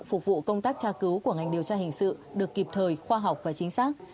phục vụ công tác tra cứu của ngành điều tra hình sự được kịp thời khoa học và chính xác